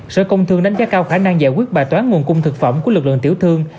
sở công thương đánh giá cao khả năng giải quyết bài toán nguồn cung thực phẩm của lực lượng tiểu thương